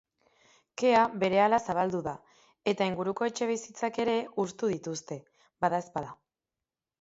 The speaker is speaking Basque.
Kea berehala zabaldu da, eta inguruko etxebizitzak ere hustu dituzte, badaezpada.